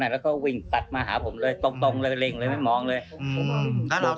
แล้วก็วิ่งตัดมาหาผมเลยตรงเลยเล็งเลยไม่มองเลย